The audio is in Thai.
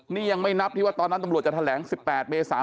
นี่ยังไม่นับที่ว่าตอนนั้นตำรวจจะแถลง๑๘เมษา